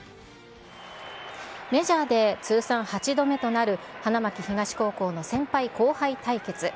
メジャーで通算８度目となる、花巻東高校の先輩後輩対決。